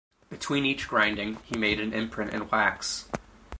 Between each grinding, he made an imprint in wax.